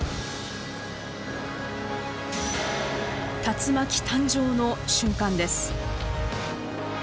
竜巻誕生の瞬間です。